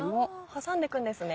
挟んでいくんですね。